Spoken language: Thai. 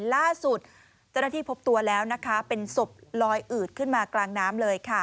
ล่าสุดเจ้าหน้าที่พบตัวแล้วนะคะเป็นศพลอยอืดขึ้นมากลางน้ำเลยค่ะ